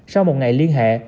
sau một ngày liên hệ